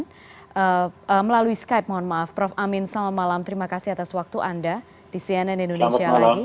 dan melalui skype mohon maaf prof amin selamat malam terima kasih atas waktu anda di cnn indonesia lagi